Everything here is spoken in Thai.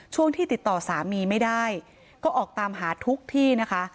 ช่วงที่ติดต่อสามีไม่ได้ก็ออกตามหาทุกที่นะคะ